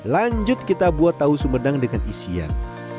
lanjut kita buat tahu sumedang dengan isian